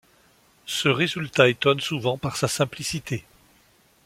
Ce résultat étonne souvent par sa simplicité.